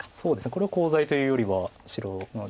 これはコウ材というよりは白自分の陣地を。